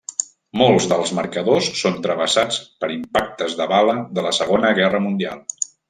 Molts dels marcadors són travessats per impactes de bales de la segona guerra mundial.